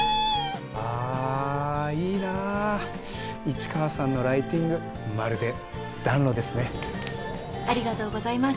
あいいな市川さんのライティングまるで暖炉ですね。ありがとうございます。